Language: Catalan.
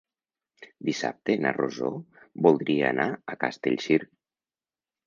Dissabte na Rosó voldria anar a Castellcir.